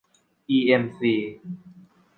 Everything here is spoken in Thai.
อีเอ็มซี